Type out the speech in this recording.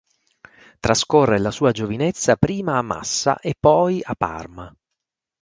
Trascorre la sua giovinezza prima a Massa e poi a Parma.